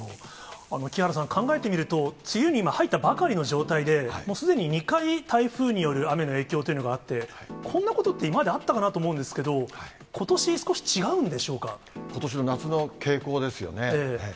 木原さん、考えてみると、梅雨に今、入ったばかりの状態で、もうすでに２回、台風による雨の影響というのがあって、こんなことって今まであったかなと思うんですけど、ことし、ことしの夏の傾向ですよね。